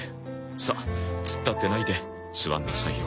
さあ突っ立ってないで座んなさいよ。